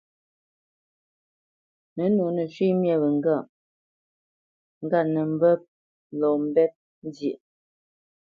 Nə̌nǒ nə shwé wyê ŋgâʼ ŋgât nə mbə́ lɔ mbɛ́p nzyêʼ.